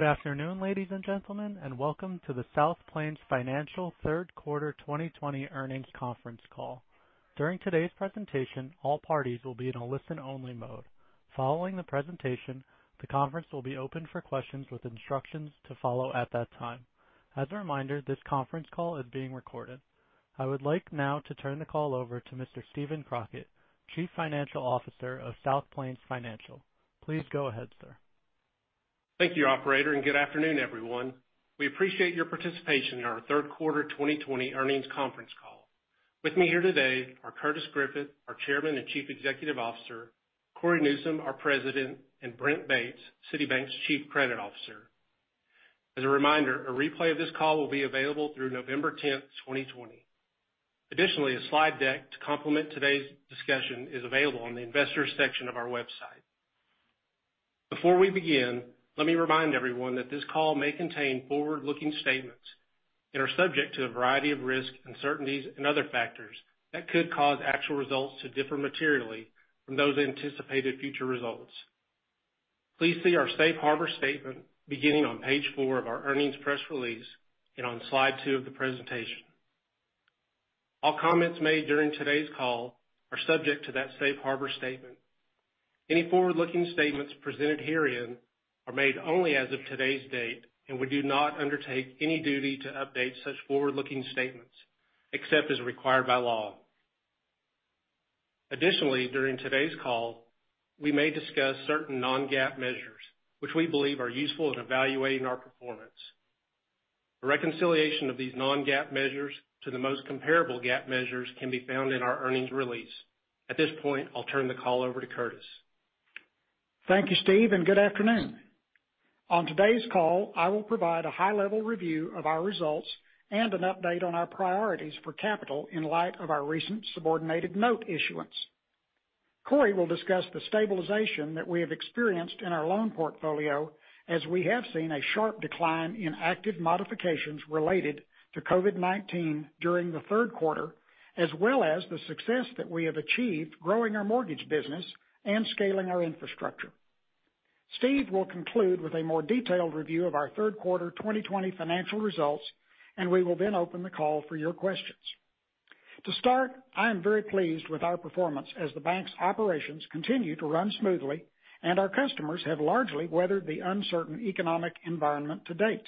Good afternoon, ladies and gentlemen, and welcome to the South Plains Financial third quarter 2020 earnings conference call. During today's presentation, all parties will be in a listen-only mode. Following the presentation, the conference will be open for questions with instructions to follow at that time. As a reminder, this conference call is being recorded. I would like now to turn the call over to Mr. Steven Crockett, Chief Financial Officer of South Plains Financial. Please go ahead, sir. Thank you, operator. Good afternoon, everyone. We appreciate your participation in our third quarter 2020 earnings conference call. With me here today are Curtis Griffith, our Chairman and Chief Executive Officer; Cory Newsom, our President; and Brent Bates, City Bank's Chief Credit Officer. As a reminder, a replay of this call will be available through November 10th, 2020. Additionally, a slide deck to complement today's discussion is available on the investors section of our website. Before we begin, let me remind everyone that this call may contain forward-looking statements and are subject to a variety of risks, uncertainties, and other factors that could cause actual results to differ materially from those anticipated future results. Please see our safe harbor statement beginning on page four of our earnings press release and on slide two of the presentation. All comments made during today's call are subject to that safe harbor statement. Any forward-looking statements presented herein are made only as of today's date, and we do not undertake any duty to update such forward-looking statements, except as required by law. Additionally, during today's call, we may discuss certain non-GAAP measures which we believe are useful in evaluating our performance. A reconciliation of these non-GAAP measures to the most comparable GAAP measures can be found in our earnings release. At this point, I'll turn the call over to Curtis. Thank you, Steve, and good afternoon. On today's call, I will provide a high-level review of our results and an update on our priorities for capital in light of our recent subordinated note issuance. Cory will discuss the stabilization that we have experienced in our loan portfolio, as we have seen a sharp decline in active modifications related to COVID-19 during the third quarter, as well as the success that we have achieved growing our mortgage business and scaling our infrastructure. Steve will conclude with a more detailed review of our third quarter 2020 financial results, and we will then open the call for your questions. To start, I am very pleased with our performance as the bank's operations continue to run smoothly and our customers have largely weathered the uncertain economic environment to date.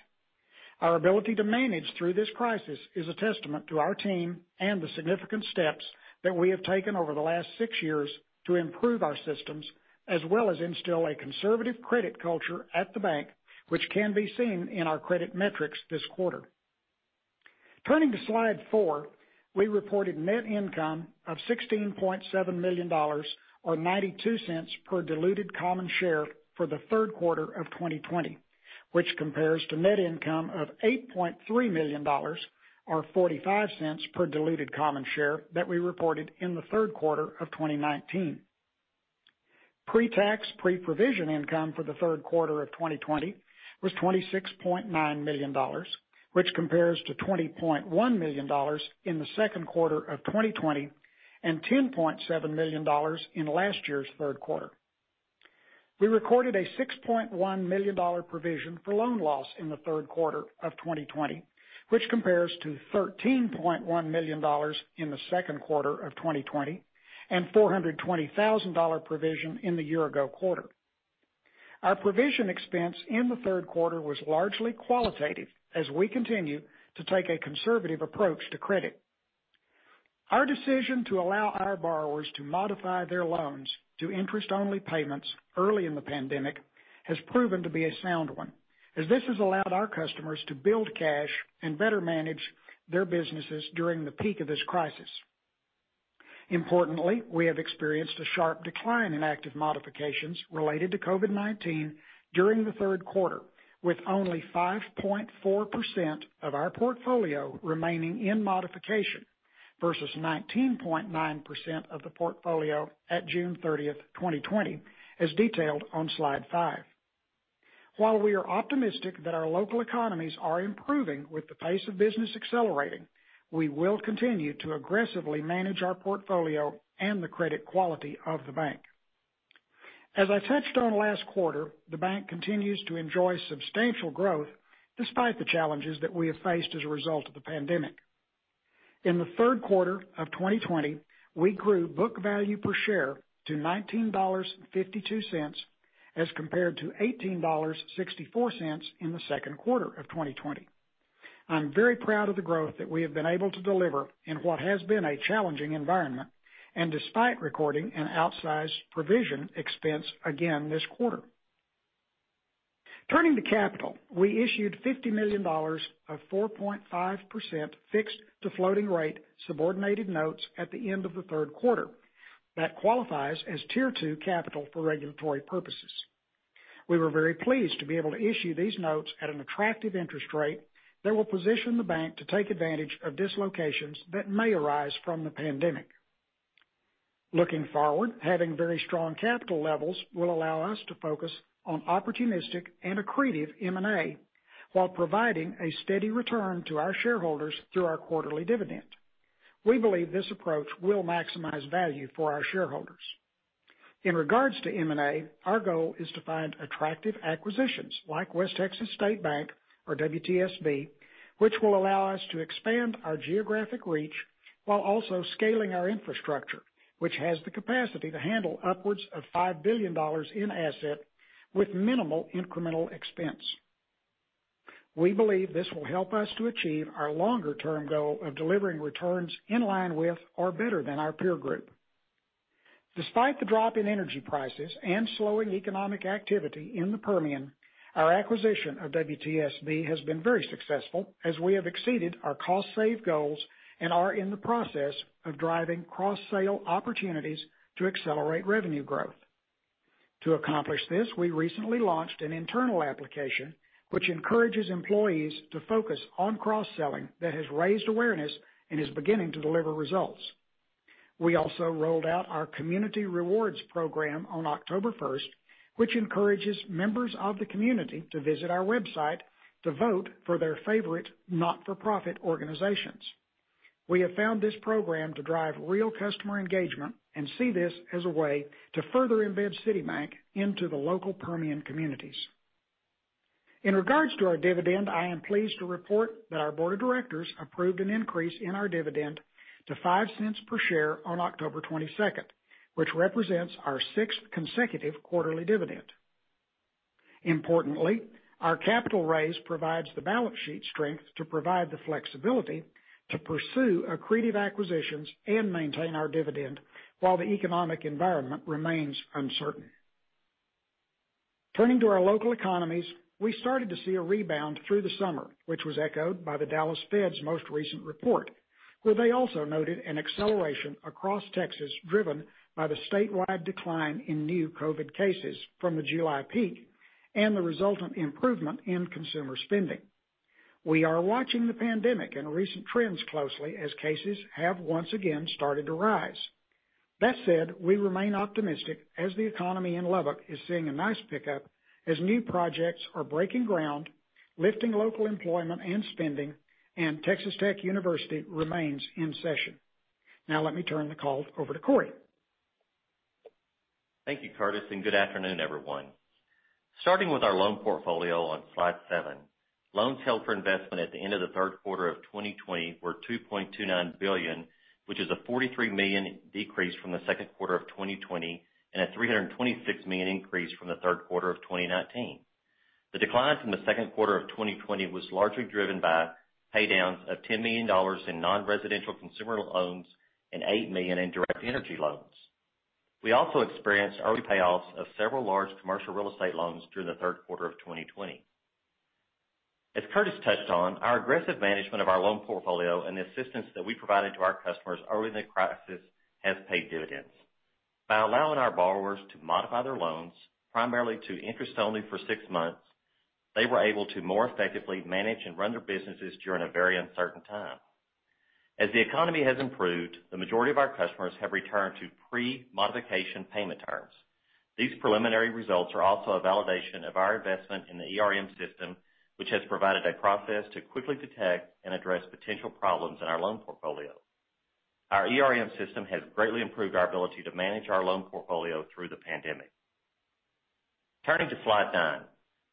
Our ability to manage through this crisis is a testament to our team and the significant steps that we have taken over the last six years to improve our systems, as well as instill a conservative credit culture at the bank, which can be seen in our credit metrics this quarter. Turning to slide four, we reported net income of $16.7 million, or $0.92 per diluted common share, for the third quarter of 2020, which compares to net income of $8.3 million, or $0.45 per diluted common share that we reported in the third quarter of 2019. Pre-tax, pre-provision income for the third quarter of 2020 was $26.9 million, which compares to $20.1 million in the second quarter of 2020 and $10.7 million in last year's third quarter. We recorded a $6.1 million provision for loan loss in the third quarter of 2020, which compares to $13.1 million in the second quarter of 2020 and $420,000 provision in the year ago quarter. Our provision expense in the third quarter was largely qualitative as we continue to take a conservative approach to credit. Our decision to allow our borrowers to modify their loans to interest-only payments early in the pandemic has proven to be a sound one, as this has allowed our customers to build cash and better manage their businesses during the peak of this crisis. Importantly, we have experienced a sharp decline in active modifications related to COVID-19 during the third quarter, with only 5.4% of our portfolio remaining in modification, versus 19.9% of the portfolio at June 30th, 2020, as detailed on slide five. While we are optimistic that our local economies are improving with the pace of business accelerating, we will continue to aggressively manage our portfolio and the credit quality of the bank. As I touched on last quarter, the bank continues to enjoy substantial growth despite the challenges that we have faced as a result of the pandemic. In the third quarter of 2020, we grew book value per share to $19.52 as compared to $18.64 in the second quarter of 2020. I'm very proud of the growth that we have been able to deliver in what has been a challenging environment and despite recording an outsized provision expense again this quarter. Turning to capital, we issued $50 million of 4.5% fixed to floating rate subordinated notes at the end of the third quarter. That qualifies as Tier 2 capital for regulatory purposes. We were very pleased to be able to issue these notes at an attractive interest rate that will position the bank to take advantage of dislocations that may arise from the pandemic. Looking forward, having very strong capital levels will allow us to focus on opportunistic and accretive M&A while providing a steady return to our shareholders through our quarterly dividend. We believe this approach will maximize value for our shareholders. In regards to M&A, our goal is to find attractive acquisitions like West Texas State Bank, or WTSB, which will allow us to expand our geographic reach while also scaling our infrastructure, which has the capacity to handle upwards of $5 billion in assets with minimal incremental expense. We believe this will help us to achieve our longer-term goal of delivering returns in line with or better than our peer group. Despite the drop in energy prices and slowing economic activity in the Permian, our acquisition of WTSB has been very successful, as we have exceeded our cost save goals and are in the process of driving cross-sell opportunities to accelerate revenue growth. To accomplish this, we recently launched an internal application, which encourages employees to focus on cross-selling, that has raised awareness and is beginning to deliver results. We also rolled out our Community Rewards program on October 1st, which encourages members of the community to visit our website to vote for their favorite not-for-profit organizations. We have found this program to drive real customer engagement and see this as a way to further embed City Bank into the local Permian communities. In regards to our dividend, I am pleased to report that our board of directors approved an increase in our dividend to $0.05 per share on October 22nd, which represents our sixth consecutive quarterly dividend. Importantly, our capital raise provides the balance sheet strength to provide the flexibility to pursue accretive acquisitions and maintain our dividend while the economic environment remains uncertain. Turning to our local economies, we started to see a rebound through the summer, which was echoed by the Dallas Fed's most recent report, where they also noted an acceleration across Texas, driven by the statewide decline in new COVID cases from the July peak and the resultant improvement in consumer spending. We are watching the pandemic and recent trends closely as cases have once again started to rise. That said, we remain optimistic as the economy in Lubbock is seeing a nice pickup as new projects are breaking ground, lifting local employment and spending, and Texas Tech University remains in session. Now, let me turn the call over to Cory. Thank you, Curtis, and good afternoon, everyone. Starting with our loan portfolio on slide seven, loans held for investment at the end of the third quarter of 2020 were $2.29 billion, which is a $43 million decrease from the second quarter of 2020, and a $326 million increase from the third quarter of 2019. The declines in the second quarter of 2020 was largely driven by pay downs of $10 million in non-residential consumer loans and $8 million in direct energy loans. We also experienced early payoffs of several large commercial real estate loans through the third quarter of 2020. As Curtis touched on, our aggressive management of our loan portfolio and the assistance that we provided to our customers early in the crisis has paid dividends. By allowing our borrowers to modify their loans, primarily to interest-only for six months, they were able to more effectively manage and run their businesses during a very uncertain time. As the economy has improved, the majority of our customers have returned to pre-modification payment terms. These preliminary results are also a validation of our investment in the ERM system, which has provided a process to quickly detect and address potential problems in our loan portfolio. Our ERM system has greatly improved our ability to manage our loan portfolio through the pandemic. Turning to slide nine,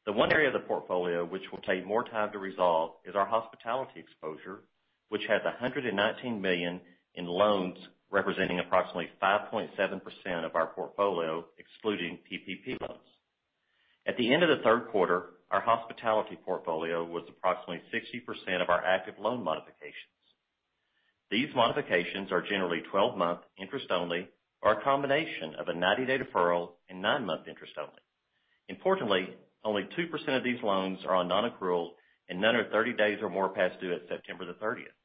the one area of the portfolio which will take more time to resolve is our hospitality exposure, which has $119 million in loans, representing approximately 5.7% of our portfolio, excluding PPP loans. At the end of the third quarter, our hospitality portfolio was approximately 60% of our active loan modifications. These modifications are generally 12-month interest-only or a combination of a 90-day deferral and 9-month interest-only. Importantly, only 2% of these loans are on non-accrual and none are 30 days or more past due at September the 30th.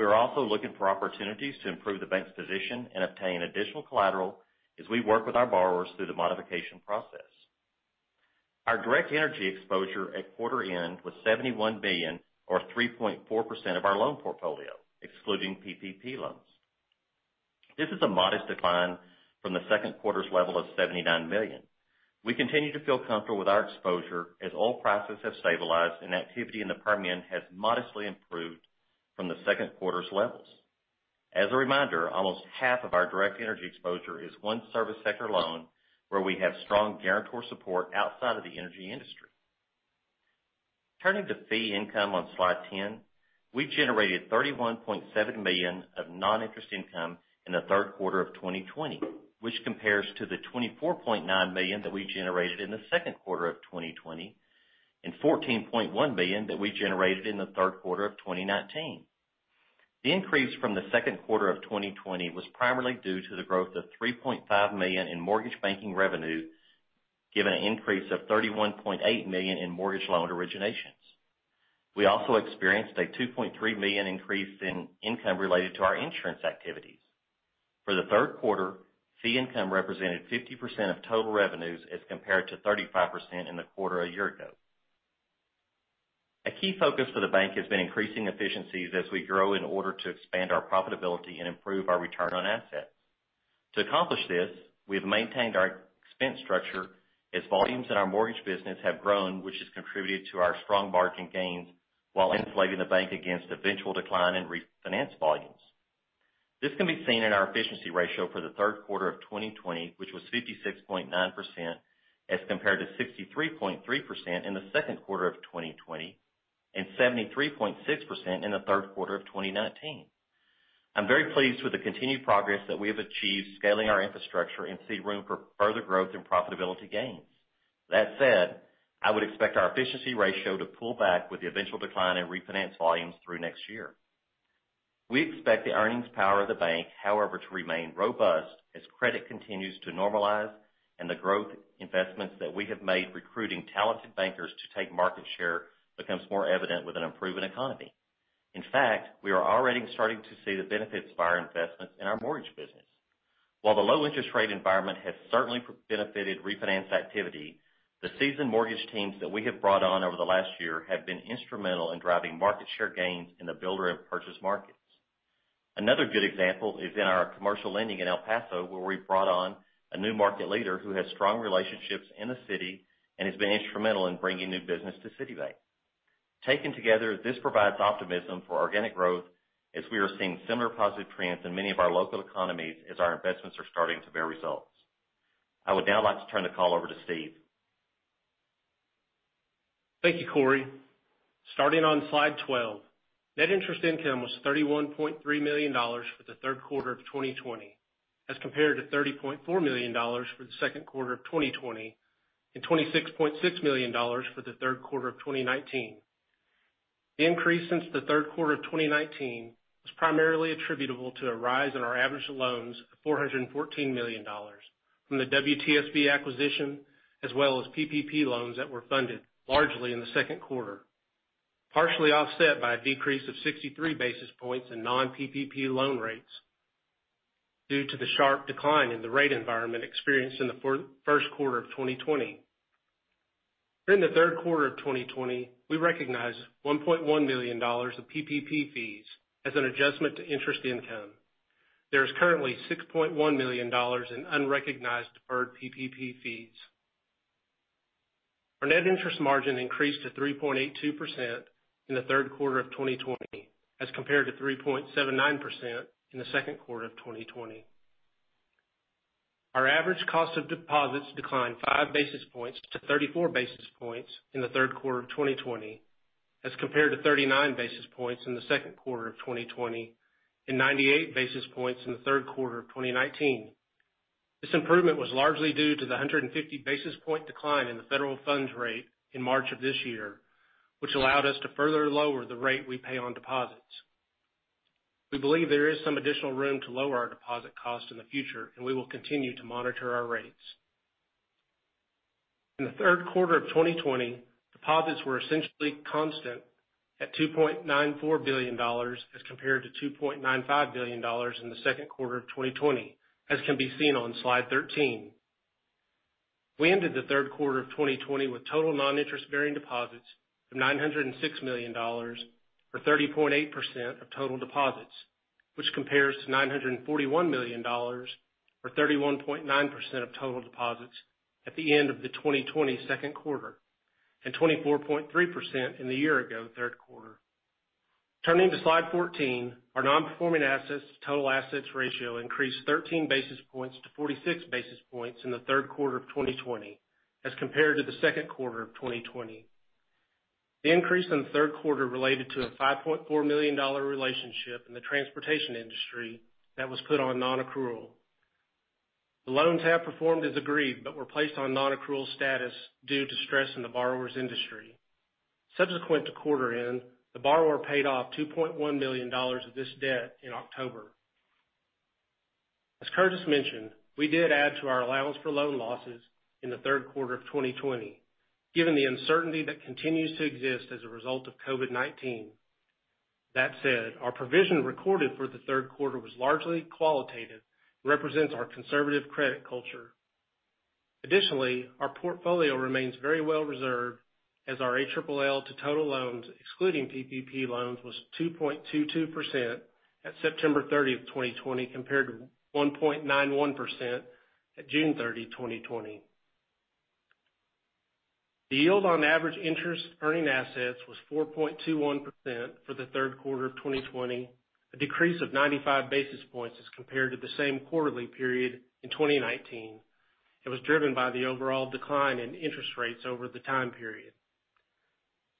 We are also looking for opportunities to improve the bank's position and obtain additional collateral as we work with our borrowers through the modification process. Our direct energy exposure at quarter end was $71 million, or 3.4% of our loan portfolio, excluding PPP loans. This is a modest decline from the second quarter's level of $79 million. We continue to feel comfortable with our exposure as oil prices have stabilized and activity in the Permian has modestly improved from the second quarter's levels. As a reminder, almost one half of our direct energy exposure is one service sector loan where we have strong guarantor support outside of the energy industry. Turning to fee income on slide 10, we generated $31.7 million of non-interest income in the third quarter of 2020, which compares to the $24.9 million that we generated in the second quarter of 2020, and $14.1 million that we generated in the third quarter of 2019. The increase from the second quarter of 2020 was primarily due to the growth of $3.5 million in mortgage banking revenue, given an increase of $31.8 million in mortgage loan originations. We also experienced a $2.3 million increase in income related to our insurance activities. For the third quarter, fee income represented 50% of total revenues as compared to 35% in the quarter a year ago. A key focus for the bank has been increasing efficiencies as we grow in order to expand our profitability and improve our return on assets. To accomplish this, we have maintained our expense structure as volumes in our mortgage business have grown, which has contributed to our strong margin gains while insulating the bank against eventual decline in refinance volumes. This can be seen in our efficiency ratio for the third quarter of 2020, which was 56.9%, as compared to 63.3% in the second quarter of 2020, and 73.6% in the third quarter of 2019. I'm very pleased with the continued progress that we have achieved scaling our infrastructure and see room for further growth and profitability gains. That said, I would expect our efficiency ratio to pull back with the eventual decline in refinance volumes through next year. We expect the earnings power of the bank, however, to remain robust as credit continues to normalize and the growth investments that we have made recruiting talented bankers to take market share becomes more evident with an improving economy. In fact, we are already starting to see the benefits of our investments in our mortgage business. While the low interest rate environment has certainly benefited refinance activity, the seasoned mortgage teams that we have brought on over the last year have been instrumental in driving market share gains in the builder and purchase markets. Another good example is in our commercial lending in El Paso, where we've brought on a new market leader who has strong relationships in the city and has been instrumental in bringing new business to City Bank. Taken together, this provides optimism for organic growth as we are seeing similar positive trends in many of our local economies as our investments are starting to bear results. I would now like to turn the call over to Steve. Thank you, Cory. Starting on slide 12, net interest income was $31.3 million for the third quarter of 2020, as compared to $30.4 million for the second quarter of 2020, and $26.6 million for the third quarter of 2019. The increase since the third quarter of 2019 was primarily attributable to a rise in our average loans of $414 million from the WTSB acquisition, as well as PPP loans that were funded largely in the second quarter, partially offset by a decrease of 63 basis points in non-PPP loan rates due to the sharp decline in the rate environment experienced in the first quarter of 2020. During the third quarter of 2020, we recognized $1.1 million of PPP fees as an adjustment to interest income. There is currently $6.1 million in unrecognized deferred PPP fees. Our net interest margin increased to 3.82% in the third quarter of 2020 as compared to 3.79% in the second quarter of 2020. Our average cost of deposits declined five basis points to 34 basis points in the third quarter of 2020, as compared to 39 basis points in the second quarter of 2020, and 98 basis points in the third quarter of 2019. This improvement was largely due to the 150 basis point decline in the federal funds rate in March of this year, which allowed us to further lower the rate we pay on deposits. We believe there is some additional room to lower our deposit cost in the future, and we will continue to monitor our rates. In the third quarter of 2020, deposits were essentially constant at $2.94 billion as compared to $2.95 billion in the second quarter of 2020, as can be seen on slide 13. We ended the third quarter of 2020 with total non-interest bearing deposits of $906 million, or 30.8% of total deposits, which compares to $941 million, or 31.9% of total deposits at the end of the 2020 second quarter, and 24.3% in the year ago third quarter. Turning to slide 14, our non-performing assets to total assets ratio increased 13 basis points to 46 basis points in the third quarter of 2020 as compared to the second quarter of 2020. The increase in the third quarter related to a $5.4 million relationship in the transportation industry that was put on non-accrual. The loans have performed as agreed but were placed on non-accrual status due to stress in the borrower's industry. Subsequent to quarter end, the borrower paid off $2.1 million of this debt in October. As Curtis mentioned, we did add to our allowance for loan losses in the third quarter of 2020, given the uncertainty that continues to exist as a result of COVID-19. That said, our provision recorded for the third quarter was largely qualitative and represents our conservative credit culture. Additionally, our portfolio remains very well reserved as our ALL to total loans excluding PPP loans was 2.22% at September 30, 2020, compared to 1.91% at June 30, 2020. The yield on average interest earning assets was 4.21% for the third quarter of 2020, a decrease of 95 basis points as compared to the same quarterly period in 2019. It was driven by the overall decline in interest rates over the time period.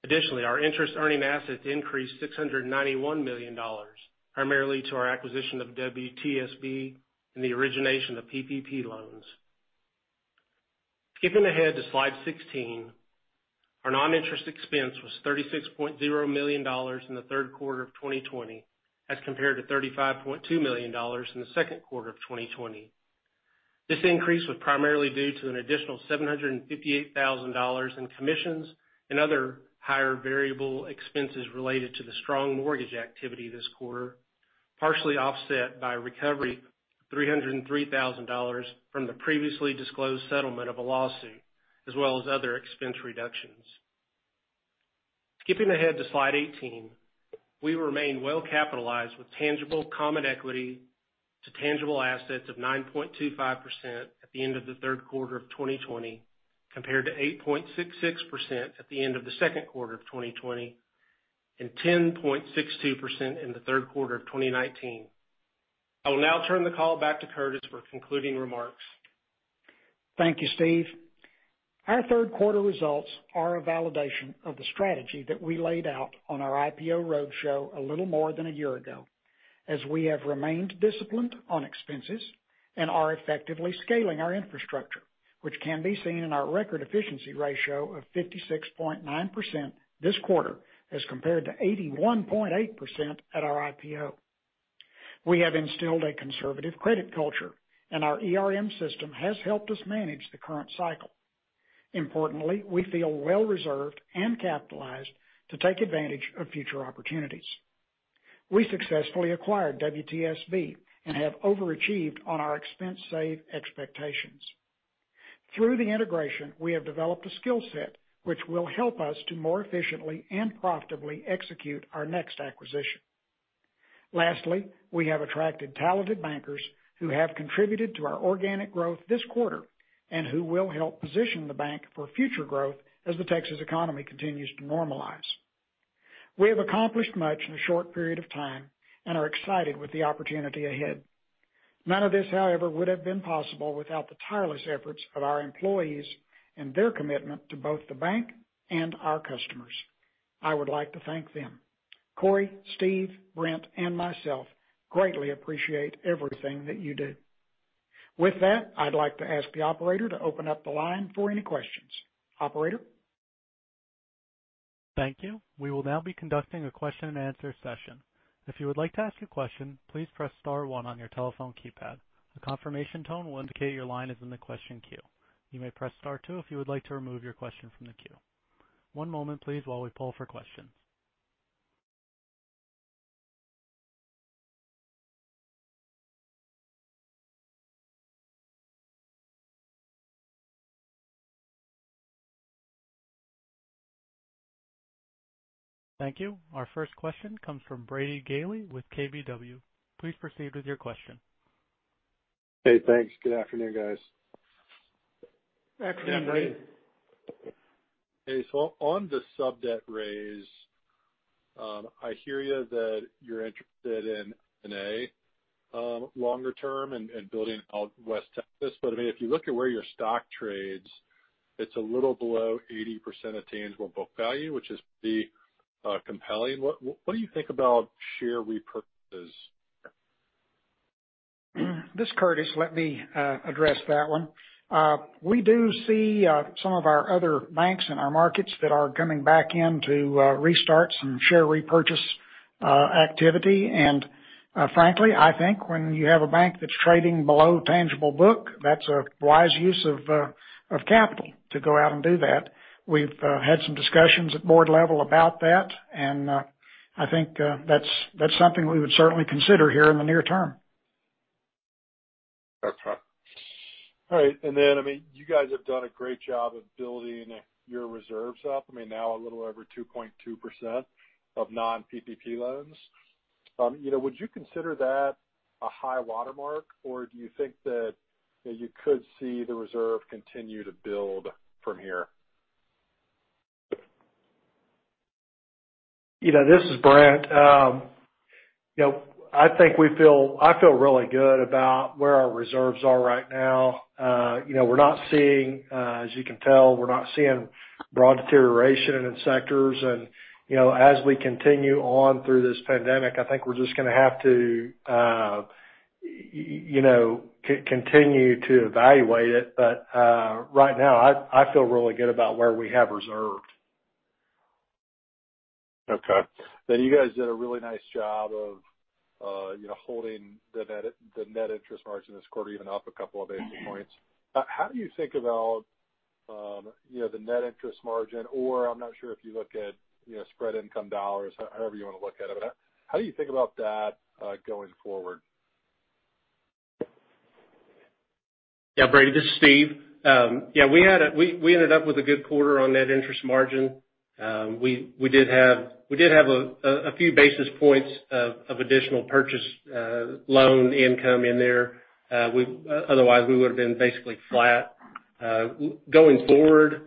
Additionally, our interest earning assets increased $691 million, primarily to our acquisition of WTSB and the origination of PPP loans. Skipping ahead to slide 16, our non-interest expense was $36.0 million in the third quarter of 2020 as compared to $35.2 million in the second quarter of 2020. This increase was primarily due to an additional $758,000 in commissions and other higher variable expenses related to the strong mortgage activity this quarter, partially offset by recovery of $303,000 from the previously disclosed settlement of a lawsuit, as well as other expense reductions. Skipping ahead to slide 18, we remain well-capitalized with tangible common equity to tangible assets of 9.25% at the end of the third quarter of 2020, compared to 8.66% at the end of the second quarter of 2020, and 10.62% in the third quarter of 2019. I will now turn the call back to Curtis for concluding remarks. Thank you, Steve. Our third quarter results are a validation of the strategy that we laid out on our IPO roadshow a little more than a year ago, as we have remained disciplined on expenses and are effectively scaling our infrastructure, which can be seen in our record efficiency ratio of 56.9% this quarter as compared to 81.8% at our IPO. We have instilled a conservative credit culture, and our ERM system has helped us manage the current cycle. Importantly, we feel well reserved and capitalized to take advantage of future opportunities. We successfully acquired WTSB and have overachieved on our expense save expectations. Through the integration, we have developed a skill set which will help us to more efficiently and profitably execute our next acquisition. Lastly, we have attracted talented bankers who have contributed to our organic growth this quarter and who will help position the bank for future growth as the Texas economy continues to normalize. We have accomplished much in a short period of time and are excited with the opportunity ahead. None of this, however, would have been possible without the tireless efforts of our employees and their commitment to both the bank and our customers. I would like to thank them. Cory, Steve, Brent, and myself greatly appreciate everything that you do. I'd like to ask the operator to open up the line for any questions. Operator? Thank you. We will now be conducting a question and answer session. If you would like to ask a question, please press star one on your telephone keypad. A confirmation tone will indicate your line is in the question queue. You may press star two if you would like to remove your question from the queue. One moment, please, while we poll for questions. Thank you. Our first question comes from Brady Gailey with KBW. Please proceed with your question. Hey, thanks. Good afternoon, guys. Afternoon, Brady. Hey, on the sub-debt raise, I hear you that you're interested in longer term and building out West Texas. If you look at where your stock trades, it's a little below 80% of tangible book value, which is pretty compelling. What do you think about share repurchase? This is Curtis. Let me address that one. We do see some of our other banks in our markets that are coming back in to restart some share repurchase activity. Frankly, I think when you have a bank that's trading below tangible book, that's a wise use of capital to go out and do that. We've had some discussions at board level about that, and I think that's something we would certainly consider here in the near term. Okay. All right. You guys have done a great job of building your reserves up, now a little over 2.2% of non-PPP loans. Would you consider that a high watermark, or do you think that you could see the reserve continue to build from here? This is Brent. I feel really good about where our reserves are right now. As you can tell, we're not seeing broad deterioration in sectors. As we continue on through this pandemic, I think we're just going to have to continue to evaluate it. Right now, I feel really good about where we have reserved. Okay. You guys did a really nice job of holding the net interest margin this quarter, even up a couple of basis points. How do you think about the net interest margin, or I'm not sure if you look at spread income dollars, however you want to look at it, but how do you think about that going forward? Yeah, Brady, this is Steve. We ended up with a good quarter on net interest margin. We did have a few basis points of additional purchase loan income in there. Otherwise, we would've been basically flat. Going forward,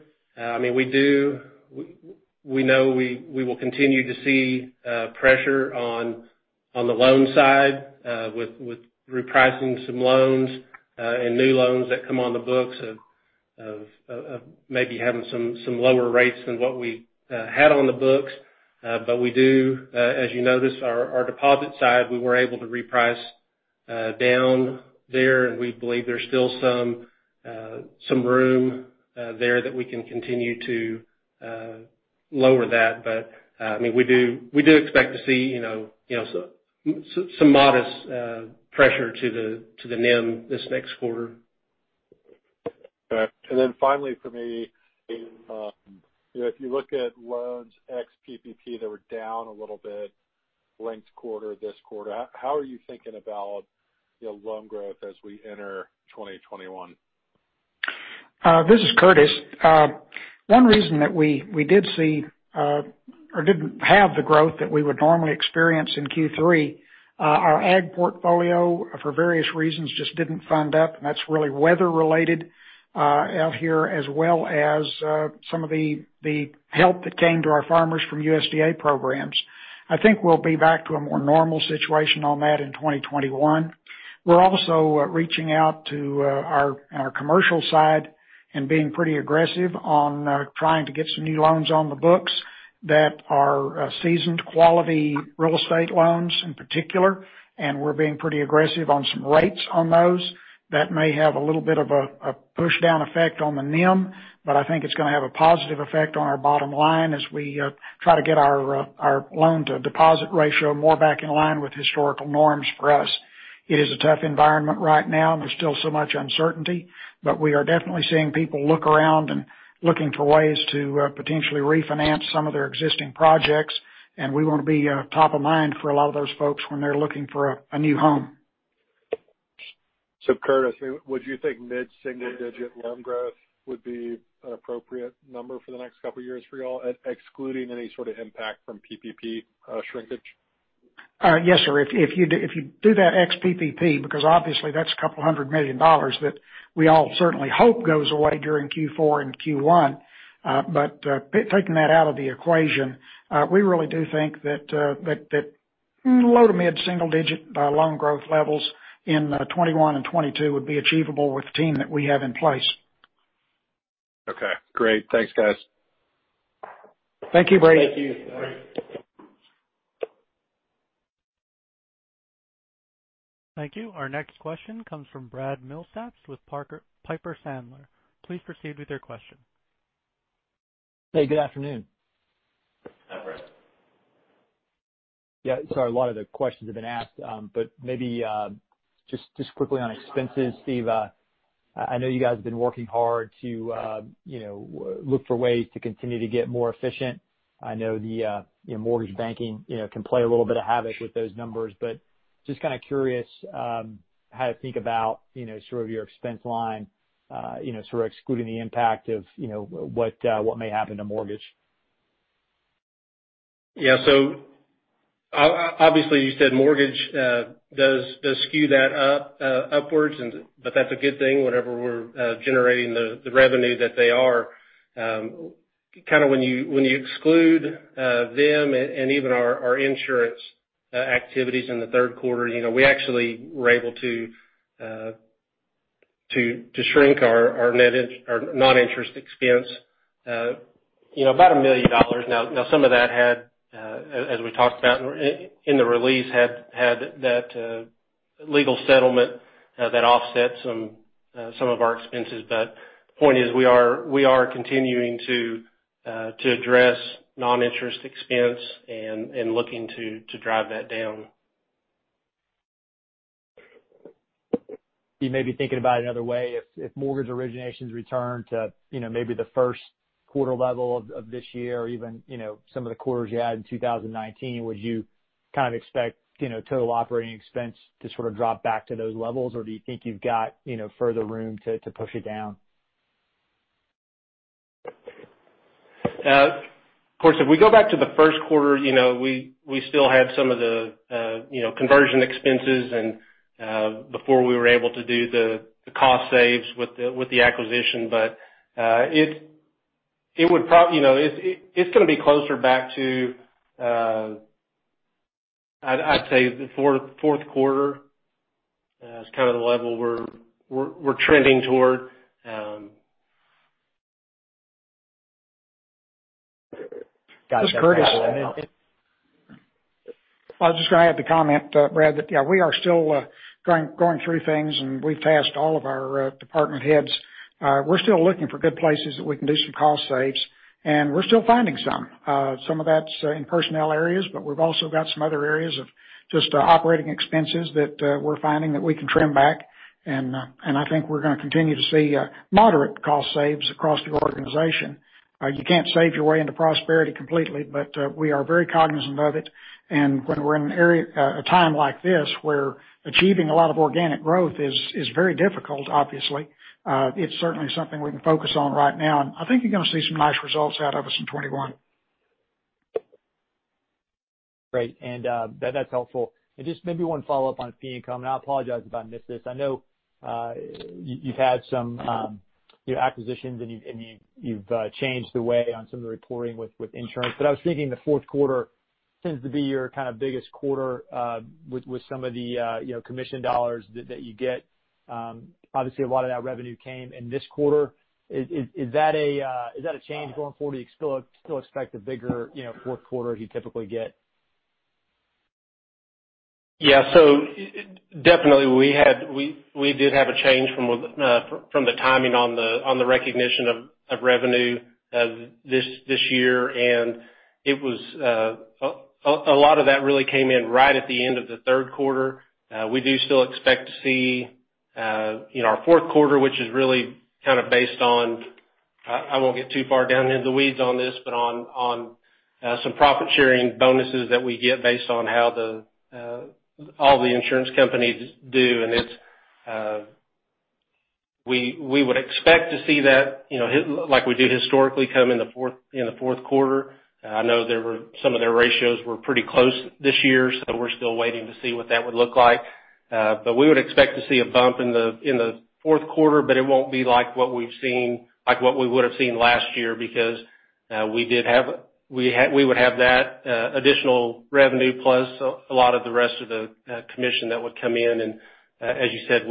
we know we will continue to see pressure on the loan side with repricing some loans and new loans that come on the books of maybe having some lower rates than what we had on the books. We do, as you notice, our deposit side, we were able to reprice down there, and we believe there's still some room there that we can continue to lower that. We do expect to see some modest pressure to the NIM this next quarter. Okay. Finally from me, if you look at loans ex-PPP that were down a little bit linked quarter this quarter, how are you thinking about loan growth as we enter 2021? This is Curtis. One reason that we did see or didn't have the growth that we would normally experience in Q3, our ag portfolio, for various reasons, just didn't fund up, and that's really weather related out here, as well as some of the help that came to our farmers from USDA programs. I think we'll be back to a more normal situation on that in 2021. We're also reaching out to our commercial side and being pretty aggressive on trying to get some new loans on the books that are seasoned quality real estate loans in particular. We're being pretty aggressive on some rates on those that may have a little bit of a push-down effect on the NIM, but I think it's going to have a positive effect on our bottom line as we try to get our loan-to-deposit ratio more back in line with historical norms for us. It is a tough environment right now, and there's still so much uncertainty, but we are definitely seeing people look around and looking for ways to potentially refinance some of their existing projects. We want to be top of mind for a lot of those folks when they're looking for a new home. Curtis, would you think mid-single digit loan growth would be an appropriate number for the next couple of years for you all, excluding any sort of impact from PPP shrinkage? Yes, sir. If you do that ex PPP, because obviously that's $200 million that we all certainly hope goes away during Q4 and Q1. Taking that out of the equation, we really do think that low to mid single-digit loan growth levels in 2021 and 2022 would be achievable with the team that we have in place. Okay, great. Thanks, guys. Thank you, Brady. Thank you. Great. Thank you. Our next question comes from Brad Milsaps with Piper Sandler. Please proceed with your question. Hey, good afternoon. Hi, Brad. Yeah, sorry, a lot of the questions have been asked, but maybe just quickly on expenses. Steve, I know you guys have been working hard to look for ways to continue to get more efficient. I know the mortgage banking can play a little bit of havoc with those numbers, but just kind of curious how to think about sort of your expense line excluding the impact of what may happen to mortgage. Obviously, you said mortgage does skew that upwards, but that's a good thing whenever we're generating the revenue that they are. Kind of when you exclude them and even our insurance activities in the third quarter, we actually were able to shrink our non-interest expense about $1 million. Some of that had, as we talked about in the release, had that legal settlement that offset some of our expenses. The point is, we are continuing to address non-interest expense and looking to drive that down. You may be thinking about it another way. If mortgage originations return to maybe the first quarter level of this year, or even some of the quarters you had in 2019, would you kind of expect total operating expense to sort of drop back to those levels, or do you think you've got further room to push it down? Of course, if we go back to the first quarter, we still have some of the conversion expenses and before we were able to do the cost saves with the acquisition. It's going to be closer back to, I'd say the fourth quarter is kind of the level we're trending toward. Got it. That's helpful. This is Curtis. I was just going to add the comment, Brad, that, yeah, we are still going through things, and we've asked all of our department heads. We're still looking for good places that we can do some cost saves, and we're still finding some. Some of that's in personnel areas, but we've also got some other areas of just operating expenses that we're finding that we can trim back, and I think we're going to continue to see moderate cost saves across the organization. You can't save your way into prosperity completely, but we are very cognizant of it. When we're in a time like this where achieving a lot of organic growth is very difficult, obviously, it's certainly something we can focus on right now, and I think you're going to see some nice results out of us in 2021. Great, that's helpful. Just maybe one follow-up on fee income, and I apologize if I missed this. I know you've had some acquisitions, and you've changed the way on some of the reporting with insurance. I was thinking the fourth quarter tends to be your kind of biggest quarter with some of the commission dollars that you get. Obviously, a lot of that revenue came in this quarter. Is that a change going forward? Do you still expect a bigger fourth quarter as you typically get? Yeah. Definitely we did have a change from the timing on the recognition of revenue this year. A lot of that really came in right at the end of the third quarter. We do still expect to see our fourth quarter, which is really kind of based on, I won't get too far down into the weeds on this, but on some profit-sharing bonuses that we get based on how all the insurance companies do. We would expect to see that, like we did historically, come in the fourth quarter. I know some of their ratios were pretty close this year. We're still waiting to see what that would look like. We would expect to see a bump in the fourth quarter, but it won't be like what we would've seen last year because we would have that additional revenue plus a lot of the rest of the commission that would come in. As you said,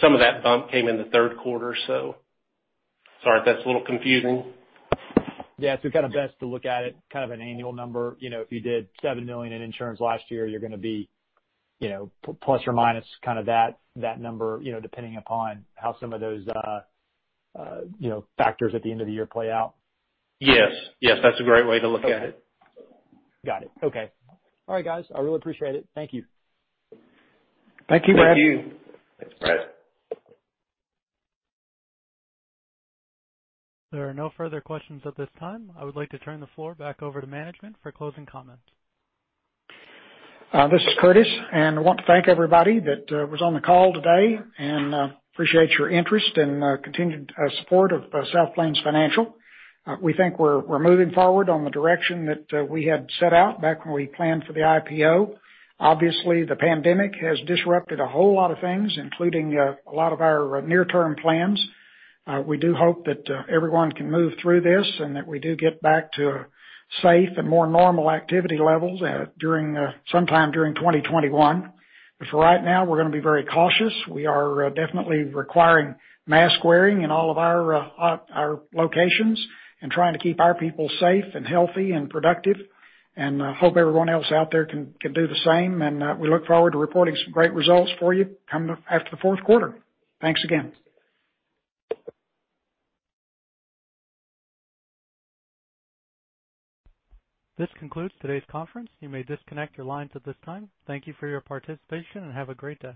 some of that bump came in the third quarter. Sorry if that's a little confusing. kind of best to look at it, kind of an annual number. If you did $7 million in insurance last year, you're going to be ± that number depending upon how some of those factors at the end of the year play out. Yes. That's a great way to look at it. Okay. Got it. Okay. All right, guys. I really appreciate it. Thank you. Thank you, Brad. Thank you. Thanks, Brad. There are no further questions at this time. I would like to turn the floor back over to management for closing comments. This is Curtis, and I want to thank everybody that was on the call today, and appreciate your interest and continued support of South Plains Financial. We think we're moving forward on the direction that we had set out back when we planned for the IPO. Obviously, the pandemic has disrupted a whole lot of things, including a lot of our near-term plans. We do hope that everyone can move through this, and that we do get back to safe and more normal activity levels sometime during 2021. For right now, we're going to be very cautious. We are definitely requiring mask wearing in all of our locations and trying to keep our people safe and healthy and productive, and hope everyone else out there can do the same. We look forward to reporting some great results for you after the fourth quarter. Thanks again. This concludes today's conference. You may disconnect your lines at this time. Thank you for your participation, and have a great day.